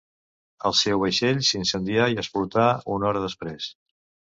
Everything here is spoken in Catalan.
El seu vaixell s'incendià i explotà una hora després.